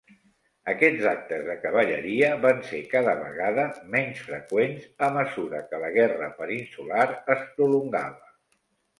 Aquests actes de cavalleria van ser cada vegada menys freqüents a mesura que la Guerra Peninsular es prolongava.